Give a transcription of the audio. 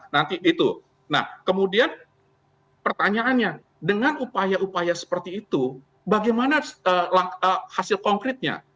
nah kemudian pertanyaannya dengan upaya upaya seperti itu bagaimana hasil konkretnya